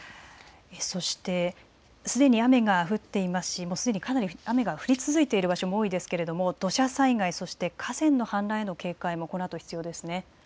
そしてすでに雨が降っていますしすでに雨が降り続いている場所も多いですが土砂災害、河川の氾濫への警戒もこのあと必要ですね。